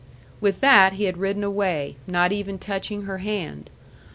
With that he had ridden away, not even touching her hand.